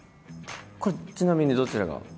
これちなみにどちらが？